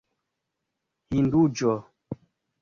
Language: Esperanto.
Hindujo